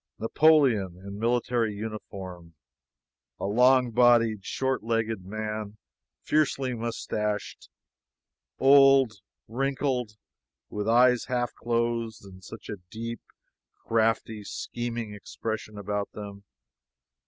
Napoleon in military uniform a long bodied, short legged man, fiercely moustached, old, wrinkled, with eyes half closed, and such a deep, crafty, scheming expression about them!